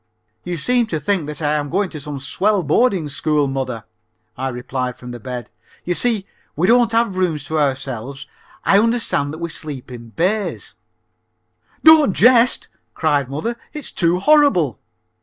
"You seem to think that I am going to some swell boarding school, mother," I replied from the bed. "You see, we don't have rooms to ourselves. I understand that we sleep in bays." "Don't jest," cried mother. "It's too horrible!"